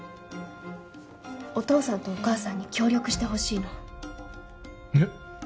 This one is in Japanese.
お父さんとお義母さんに協力してほしいのえっ！？